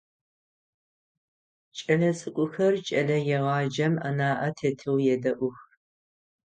Кӏэлэцӏыкӏухэр кӏэлэегъаджэм анаӏэ тетэу едэӏух.